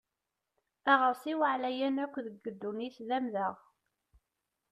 Aɣersiw aɛlayen akk deg ddunit d amdeɣ.